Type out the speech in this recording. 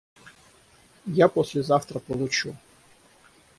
Я послезавтра получу.